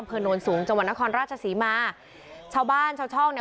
อำเผลอนรวมสูงจังหวันราชศรีมาร์เช้าบ้านเช้าช่องเนี้ย